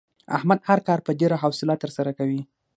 احمد هر کار په ډېره حوصله ترسره کوي.